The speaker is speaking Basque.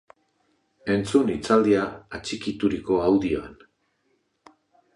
Entzun hitzaldia atxikituriko audioan!